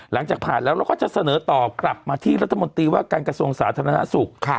หลังจากผ่านแล้วเราก็จะเสนอต่อกลับมาที่รัฐมนตรีว่าการกระทรวงสาธารณสุข